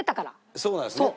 そうなんですね。